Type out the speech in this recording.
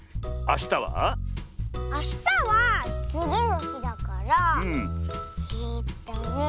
あしたはつぎのひだからえっとね